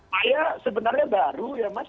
saya sebenarnya baru ya mas